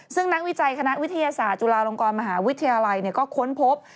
ซึ่งนักวิจัยคณะวิทยาศาสตร์จุฬาลงกรมหาวิทยาลัยก็ค้นพบ